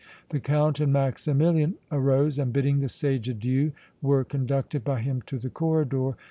The Count and Maximilian arose and bidding the sage adieu were conducted by him to the corridor.